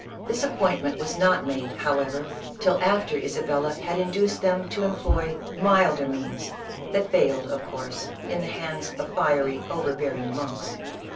This appointment was not made, however, till after Isabella had induced them to employ milder means, that failed of course, in the hands of fiery, overbearing monks.